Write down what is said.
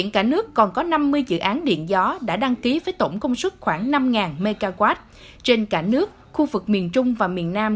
các điện gió đã đăng ký với tổng công suất khoảng năm mw trên cả nước khu vực miền trung và miền nam